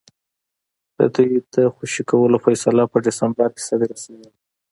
د دوی د خوشي کولو فیصله په ډسمبر کې صادره شوې وه.